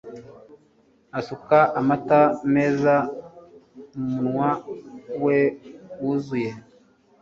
asuka amata meza mumunwa we wuzuye